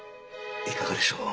いかがでしょう。